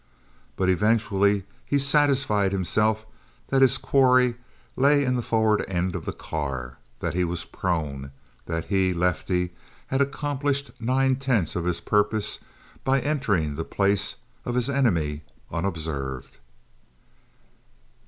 But eventually he satisfied himself that his quarry lay in the forward end of the car; that he was prone; that he, Lefty, had accomplished nine tenths of his purpose by entering the place of his enemy unobserved.